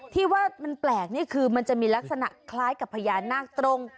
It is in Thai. ที่ว่ามันแปลกนี่คือมันจะมีลักษณะคล้ายกับพญานาคตรง